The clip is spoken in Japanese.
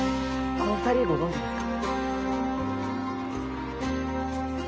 この２人ご存じですか？